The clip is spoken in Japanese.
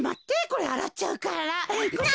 これあらっちゃうから。